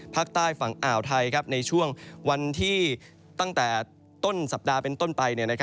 ภาคใต้ฝั่งอ่าวไทยในช่วงวันที่ตั้งแต่ต้นสัปดาห์เป็นต้นไป